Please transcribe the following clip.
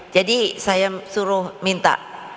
jadi saya suruh minta